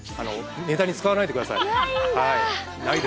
ネタに使わないでください。